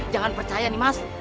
jangan percaya nih mas